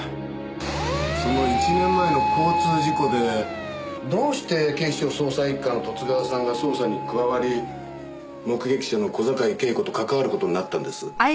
その１年前の交通事故でどうして警視庁捜査一課の十津川さんが捜査に加わり目撃者の小坂井恵子と関わる事になったんです？